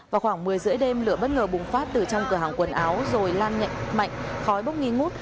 vào khoảng một mươi h ba mươi đêm lửa bất ngờ bùng phát từ trong cửa hàng quần áo rồi lan nhạy mạnh khói bốc nghi ngút